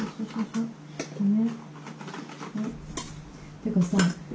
てかさ。